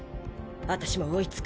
私も追いつく。